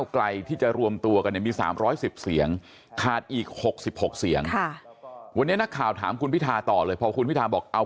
ไกลที่จะรวมตัวกันเนี่ยมี๓๑๐เสียงขาดอีก๖๖เสียงวันนี้นักข่าวถามคุณพิทาต่อเลยพอคุณพิทาบอกเอา